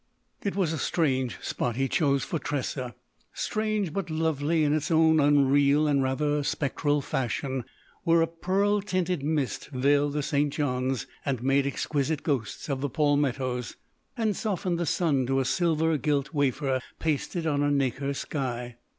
It was a strange spot he chose for Tressa—strange but lovely in its own unreal and rather spectral fashion—where a pearl tinted mist veiled the St. Johns, and made exquisite ghosts of the palmettos, and softened the sun to a silver gilt wafer pasted on a nacre sky.